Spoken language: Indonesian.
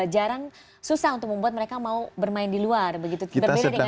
jarang susah untuk membuat mereka mau bermain di luar begitu berbeda dengan